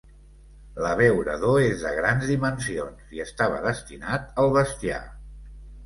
L'abeurador és de grans dimensions i estava destinat al bestiar.